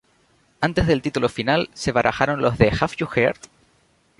Antes del título final se barajaron los de "Have You Heard?